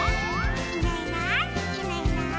「いないいないいないいない」